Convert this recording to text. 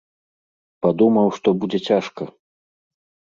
Падумаў, што будзе цяжка.